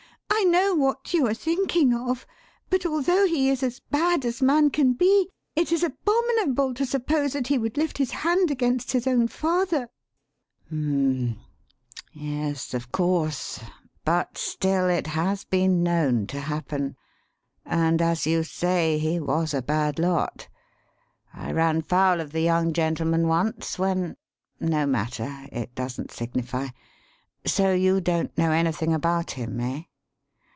"I know what you are thinking of, but although he is as bad as man can be, it is abominable to suppose that he would lift his hand against his own father." "Hum m m! Yes, of course! But still, it has been known to happen; and, as you say, he was a bad lot. I ran foul of the young gentleman once when No matter; it doesn't signify. So you don't know anything about him, eh?"